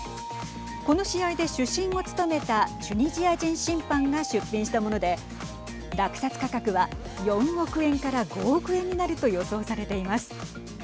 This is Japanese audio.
この試合で主審を務めたチュニジア人審判が出品したもので落札価格は４億円から５億円になると予想されています。